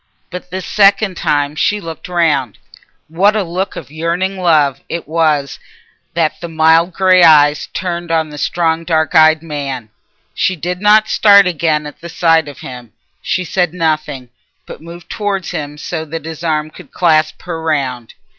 But this second time she looked round. What a look of yearning love it was that the mild grey eyes turned on the strong dark eyed man! She did not start again at the sight of him; she said nothing, but moved towards him so that his arm could clasp her round.